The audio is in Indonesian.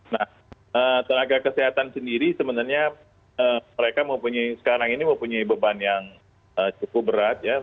nah tenaga kesehatan sendiri sebenarnya mereka sekarang ini mempunyai beban yang cukup berat ya